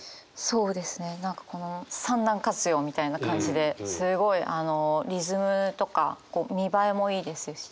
そうですね何かこの３段活用みたいな感じですごいリズムとか見栄えもいいですし。